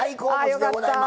よかった。